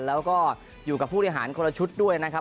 แล้วก็อยู่กับผู้บริหารคนละชุดด้วยนะครับ